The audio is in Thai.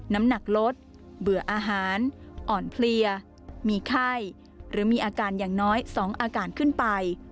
น้ำหนักลดเบื่ออาหารอ่อนเพลียมีไข้หรือมีอาการอย่างน้อย๒อาการขึ้นไป